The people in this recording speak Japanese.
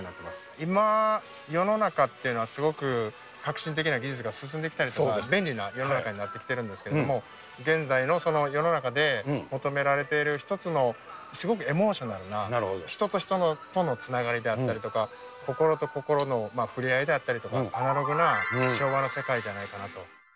今、世の中っていうのはすごく革新的な技術が進んできたりとか、便利な世の中になってきてるんですけど、現代のその世の中で求められている一つのすごくエモーショナルな、人と人とのつながりであったりとか、心と心の触れ合いであったりとか、アナログな昭和の世界じゃないかなと。